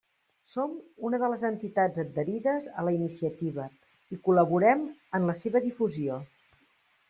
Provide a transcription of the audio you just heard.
Som una de les entitats adherides a la iniciativa i col·laborem en la seva difusió.